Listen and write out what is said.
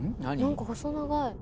何か細長い。